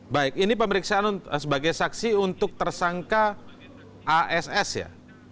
baik ini pemeriksaan sebagai saksi untuk tersangka ass ya